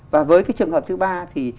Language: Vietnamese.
và với cái trường hợp thứ ba thì